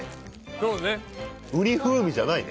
そうね。